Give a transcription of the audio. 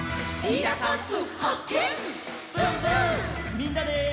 みんなで！